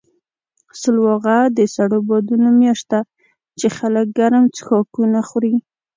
سلواغه د سړو بادونو میاشت ده، چې خلک ګرم څښاکونه خوري.